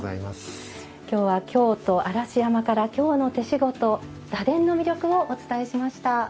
今日は京都・嵐山から京の手しごと螺鈿の魅力をお伝えしました。